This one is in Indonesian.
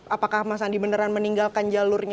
apakah mas andi beneran meninggalkan jalurnya